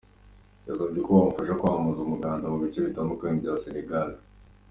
Yabasabye ko bamufasha kwamamaza umuganda mu bice bitandukanye bya Sénégal.